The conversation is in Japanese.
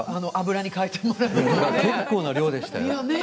結構な量でしたよ。